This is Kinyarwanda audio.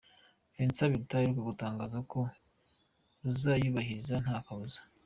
Vincent Biruta aheruka gutangaza ko ruzayubahiriza nta kabuza.